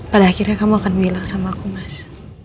pada akhirnya kamu akan bilang sama aku mas